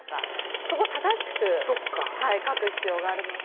そこは正しく書く必要があるので。